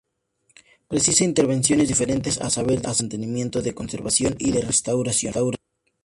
Precisa intervenciones diferentes, a saber: de mantenimiento, de conservación y de restauración.